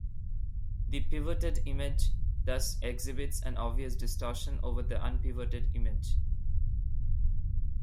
The pivoted image thus exhibits an obvious distortion over the unpivoted image.